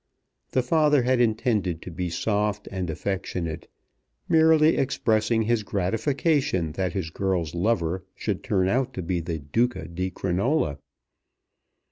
The father had intended to be soft and affectionate, merely expressing his gratification that his girl's lover should turn out to be the Duca di Crinola.